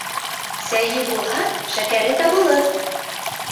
Сәйе булһа, шәкәре табылыр.